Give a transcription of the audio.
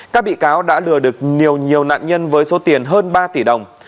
các bị cáo đã lừa được nhiều nạn nhân với số tiền hơn ba tỷ đồng